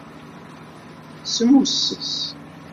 Smusses.